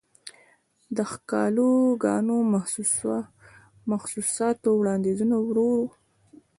دښکالوګانو، محسوساتووړاندیزونه وروړو